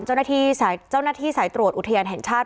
เจ้าหน้าที่จังห์นที่สายตรวจอุทิเอนแห่งชาติ